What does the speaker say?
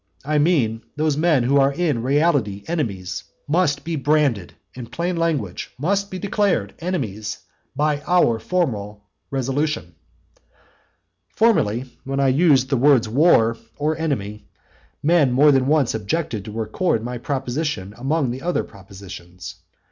I mean, those men who are in reality enemies must be branded in plain language, must be declared enemies by our formal resolution. Formerly, when I used the words War or Enemy, men more than once objected to record my proposition among the other propositions.